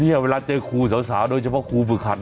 เวลาเจอครูสาวโดยเฉพาะครูฝึกขัน